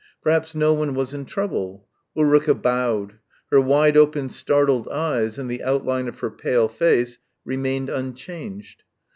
Perhaps no one was in trouble. Ulrica bowed. Her wide open startled eyes and the outline of her pale face remained unchanged.